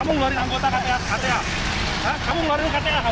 kamu mengeluarkan anggota kta